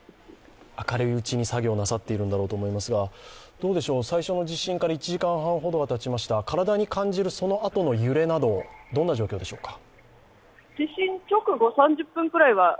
明るいうちに作業なさっているんだと思いますが、最初の地震から１時間ほどたちました、体に感じるそのあとの揺れなど、どんな感じでしょうか？